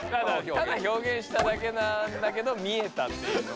ただ表現しただけなんだけど見えたっていうのは。